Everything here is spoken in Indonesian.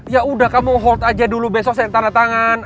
ya udah kamu hold aja dulu besok saya tanda tangan